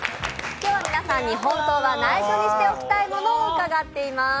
今日は、皆さんに本当は内緒にしておきたいものを伺っています。